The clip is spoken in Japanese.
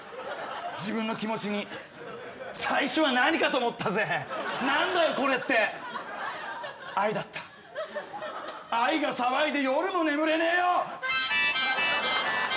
自分の気持ちに最初は何かと思ったぜなんだよこれって愛だった愛が騒いで夜も眠れねえよ！